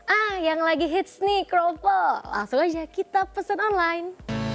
ah yang lagi hits nih kroffel langsung aja kita pesen online